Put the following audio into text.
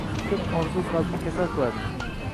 Ko’p orzu qalbni kasal qiladi.